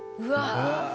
うわ。